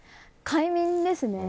快眠ですね。